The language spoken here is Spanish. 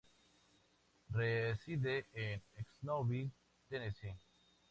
Reside en Knoxville, Tennessee.